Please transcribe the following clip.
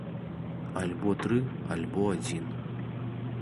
Альбо тры, альбо адзін.